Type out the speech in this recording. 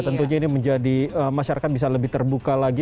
tentunya ini menjadi masyarakat bisa lebih terbuka lagi